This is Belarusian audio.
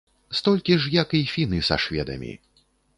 Столькі ж, як і фіны са шведамі.